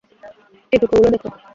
এই টুকরো গুলো দেখ।